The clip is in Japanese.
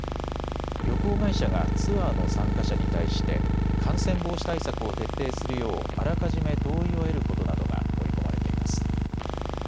旅行会社がツアーの参加者に対して感染防止対策を徹底するようあらかじめ同意を得ることなどが盛り込まれています。